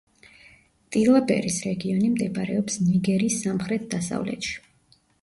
ტილაბერის რეგიონი მდებარეობს ნიგერის სამხრეთ-დასავლეთში.